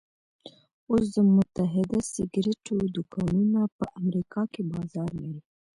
اوس د متحده سګرېټو دوکانونه په امريکا کې بازار لري.